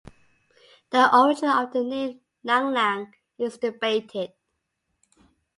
The origin of the name Lang Lang is debated.